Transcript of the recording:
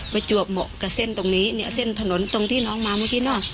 มาจวบหมกกับเส้นตรงนี้เส้นถนนตรงที่น้องมาเมื่อกี้นอก